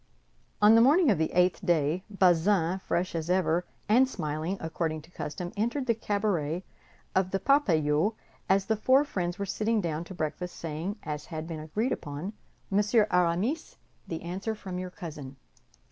On the morning of the eighth day, Bazin, fresh as ever, and smiling, according to custom, entered the cabaret of the Parpaillot as the four friends were sitting down to breakfast, saying, as had been agreed upon: "Monsieur Aramis, the answer from your cousin."